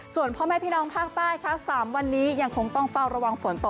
ส่วนพ่อแม่พี่น้องภาคใต้ค่ะ๓วันนี้ยังคงต้องเฝ้าระวังฝนตก